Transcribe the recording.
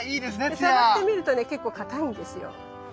で触ってみるとね結構硬いんですよ。